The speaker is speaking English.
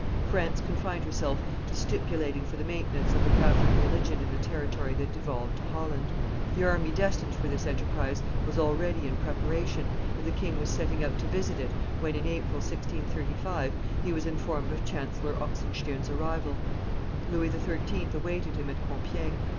France confined herself to stipulating for the maintenance of the Catholic religion in the territory that devolved to Holland. The army destined for this enterprise was already in preparation, and the king was setting out to visit it, when, in April, 1635, he was informed of Chancellor Oxenstiern's arrival. Louis XIII. awaited him at Compiegne.